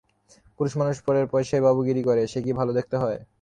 পুরুষমানুষ পরের পয়সায় বাবুগিরি করে, সে কি ভালো দেখতে হয়।